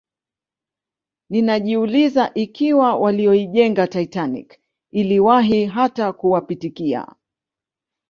Ninajiuliza ikiwa walioijenga Titanic iliwahi hata kuwapitikia